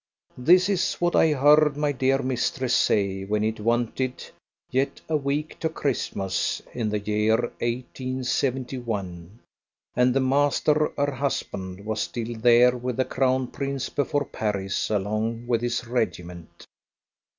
This is what I heard my dear mistress say when it wanted yet a week to Christmas in the year 1871, and the master, her husband, was still there with the Crown Prince before Paris along with his regiment.